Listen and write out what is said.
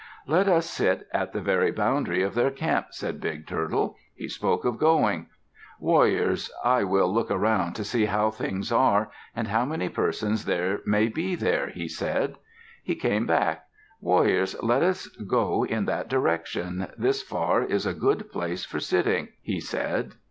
"Let us sit at the very boundary of their camp," said Big Turtle. He spoke of going. "Warriors, I will look around to see how things are, and how many persons there may be there," he said. He came back. "Warriors, let us go in that direction. This far is a good place for sitting," he said.